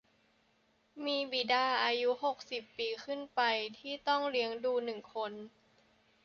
มีบิดาอายุ หกสิบ ปีขึ้นไป ที่ต้องเลี้ยงดู หนึ่ง คน